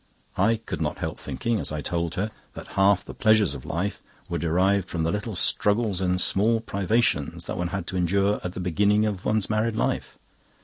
I could not help thinking (as I told her) that half the pleasures of life were derived from the little struggles and small privations that one had to endure at the beginning of one's married life.